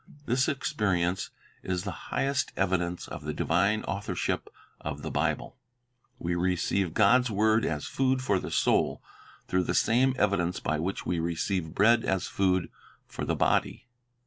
This experience is the highest evidence of the divine authorship of the Bible. We receive God's word as food for the soul, through the same evidence by which we receive bread as food, for the body.